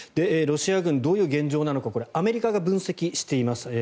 ロシア軍、どういう現状なのかアメリカが分析をしています。